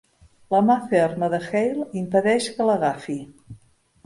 La mà ferma de Hale impedeix que l'agafi.